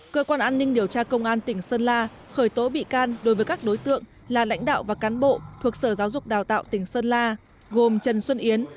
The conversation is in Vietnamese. cơ quan an ninh điều tra công an tỉnh sơn la khởi tố bị can đối với các đối tượng là lãnh đạo và cán bộ thuộc sở giáo dục đào tạo tỉnh sơn la gồm trần xuân yến